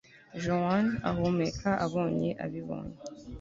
Joan ahumeka abonye ibibonye